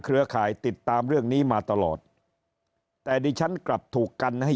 ข่ายติดตามเรื่องนี้มาตลอดแต่ดิฉันกลับถูกกันให้